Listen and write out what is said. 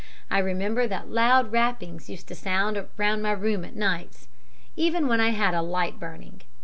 I remember that loud rappings used to sound round my room at nights, even when I had a light burning.